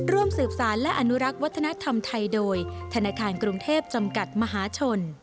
ร่วมสืบสารและอนุรักษ์วัฒนธรรมไทยโดยธนาคารกรุงเทพจำกัดมหาชน